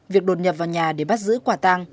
việc đột nhập vào nhà để bắt giữ quả tăng